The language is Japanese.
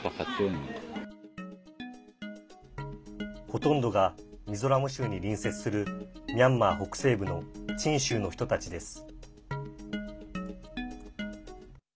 ほとんどがミゾラム州に隣接するミャンマー北西部のチン州の人たちです。